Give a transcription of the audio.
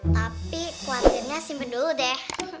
tapi khawatirnya simpen dulu deh